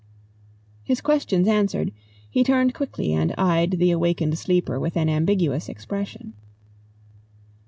His questions answered, he turned quickly and eyed the awakened sleeper with an ambiguous expression.